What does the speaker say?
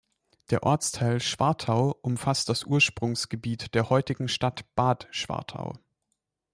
Der Ortsteil Schwartau umfasst das Ursprungsgebiet der heutigen Stadt Bad Schwartau.